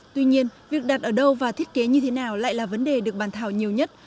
tuy nhiên việc đặt ở đâu và thiết kế như thế nào lại là vấn đề được bàn thảo nhiều nhất